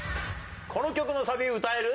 この曲のサビ歌える？